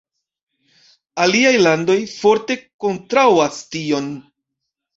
Aliaj landoj forte kontraŭas tion.